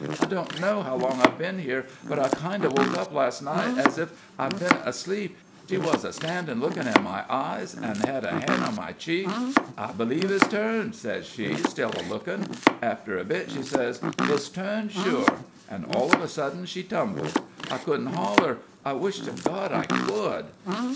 I don't know how long I've been here, but I kind o' woke up las' night ez ef I'd been asleep; she wuz a standin' lookin' in my eyes, an' hed a han' on my cheek. 'I b'lieve it's turned,' sez she, still a lookin'. After a bit she sez: 'It's turned sure,' an' all of a sudden she tumbled. I couldn't holler I wish to God I could."